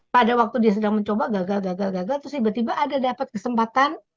pada waktu dia sedang mencoba gagal gagal gagal terus tiba tiba ada dapat kesempatan